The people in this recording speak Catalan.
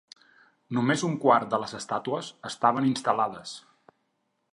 Només un quart de les estàtues estaven instal·lades.